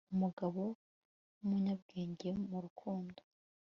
Umugabo wumunyabwenge mu rukundo